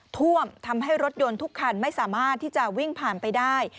ท่วมทำให้รถยนต์ทุกคันไม่สามารถที่จะวิ่งผ่านไปได้